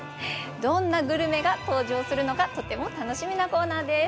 どんなグルメが登場するのかとても楽しみなコーナーです。